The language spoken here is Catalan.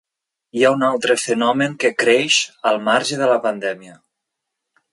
Hi ha un altre fenomen que creix al marge de la pandèmia.